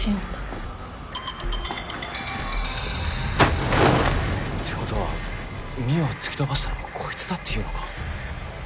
って事は望緒を突き飛ばしたのもこいつだっていうのか？